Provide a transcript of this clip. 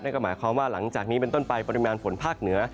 ก็หมายความว่าหลังจากนี้เป็นต้นไปปริมาณฝนภาคเหนือ